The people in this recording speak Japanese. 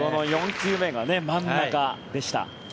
４球目が真ん中でした。